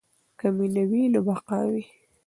که مینه وي نو بقا وي.